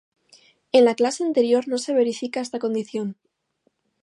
En la clase anterior no se verifica esta condición.